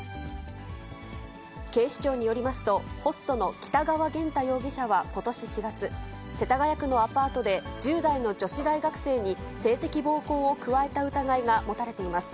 警視庁によりますと、ホストの北川元大容疑者はことし４月、世田谷区のアパートで、１０代の女子大学生に性的暴行を加えた疑いが持たれています。